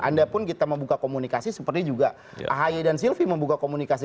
anda pun kita membuka komunikasi seperti juga ahi dan silvi membuka komunikasi